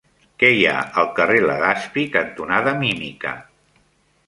Què hi ha al carrer Legazpi cantonada Mímica?